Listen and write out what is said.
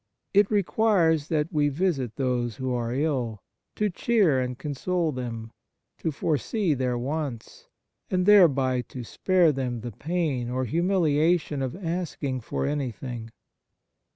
It requires that we visit those who are ill, to cheer and console them, to foresee their wants, and thereby to spare them the pain or humiliation of asking for anything.